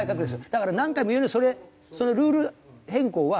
だから何回も言うようにそのルール変更は。